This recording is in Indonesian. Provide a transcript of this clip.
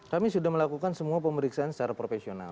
kami sudah melakukan semua pemeriksaan secara profesional